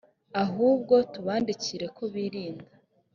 ahubwo tubandikire ko birinda